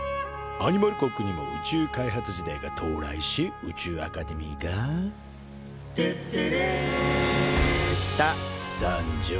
アニマル国にも宇宙開発時代が到来し宇宙アカデミーが「てってれ」と誕生。